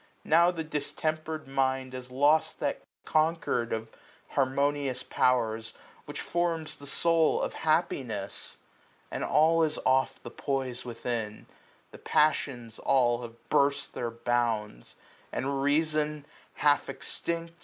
Now the distemper^ mind Has lost that concord of harmonious powers, 2ys Which forms the soul of happiness ; and all Is off the poise within : the passions all Have burst their bounds ; and reason half extinct.